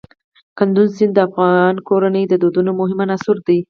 کندز سیند د افغان کورنیو د دودونو مهم عنصر دی.